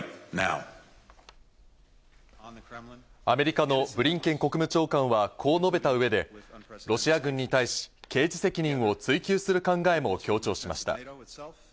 アメリカのブリンケン国務長官はこう述べた上でロシア軍に対し刑事責任を追及する考えも強調しました。